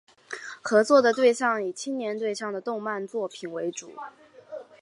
合作的对象以青年对象的动漫作品为主。